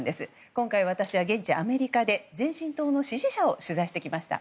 今回、私は現地アメリカで前進党の支持者を取材してきました。